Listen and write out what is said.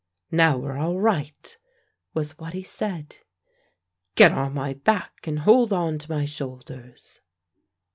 "Now we're all right," was what he said. "Get on my back, and hold on to my shoulders."